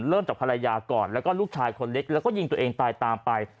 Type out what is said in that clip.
จากภรรยาก่อนแล้วก็ลูกชายคนเล็กแล้วก็ยิงตัวเองตายตามไป